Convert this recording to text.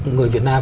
người việt nam